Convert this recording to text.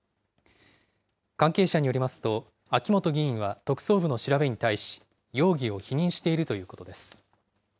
関係者によりますと、秋本議員は特捜部の調べに対し、容疑を否認しているということです。